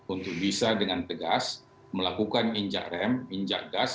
untuk bisa dengan tegas melakukan injak rem injak gas